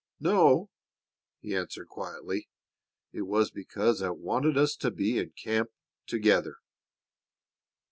"No," he answered quietly. "It was because I wanted us to be in camp together."